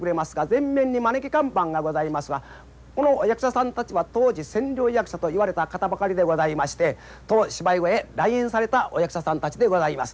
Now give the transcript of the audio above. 前面に招き看板がございますがこの役者さんたちは当時千両役者といわれた方ばかりでございまして当芝居小屋へ来演されたお役者さんたちでございます。